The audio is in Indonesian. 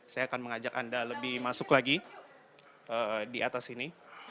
saya akan mengajak anda lebih masuk lagi di atas sini